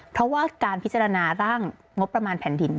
เพราะว่าการพิจารณาร่างงบประมาณแผ่นดิน